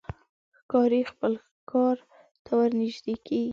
ښکاري خپل ښکار ته ورنژدې کېږي.